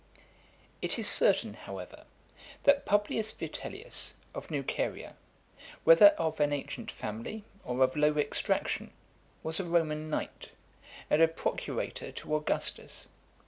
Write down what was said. II. It is certain, however, that Publius Vitellius, of Nuceria, whether of an ancient family, or of low extraction, was a Roman knight, and a procurator to Augustus.